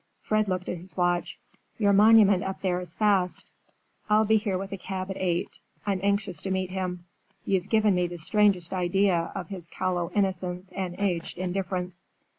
Fred looked at his watch. "Your monument up there is fast. I'll be here with a cab at eight. I'm anxious to meet him. You've given me the strangest idea of his callow innocence and aged indifference."